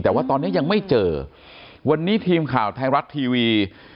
แต่ว่าตอนนี้ยังไม่เจอวันนี้ทีมข่าวไทยรัฐทีวี